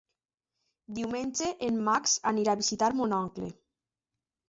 Diumenge en Max anirà a visitar mon oncle.